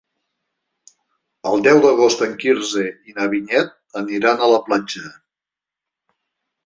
El deu d'agost en Quirze i na Vinyet aniran a la platja.